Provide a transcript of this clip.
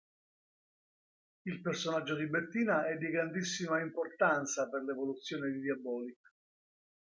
Il personaggio di Bettina è di grandissima importanza per l'evoluzione di Diabolik.